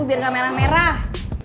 biar gak merah merah